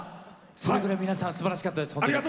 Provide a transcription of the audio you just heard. それぐらい皆さんすばらしかったです。